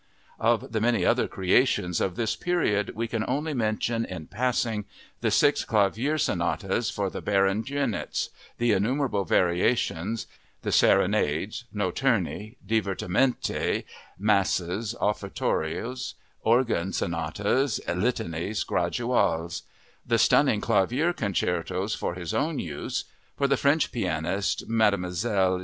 Of the many other creations of this period we can only mention in passing the six clavier sonatas for the Baron Dürnitz, the innumerable variations, the serenades, notturni, divertimenti, masses, offertories, organ sonatas, litanies, graduales; the stunning clavier concertos for his own use, for the French pianist Mlle.